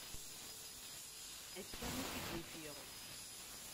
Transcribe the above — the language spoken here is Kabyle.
Akka i t-id-ufiɣ.